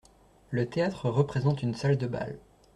Le théâtre représente une salle de bal.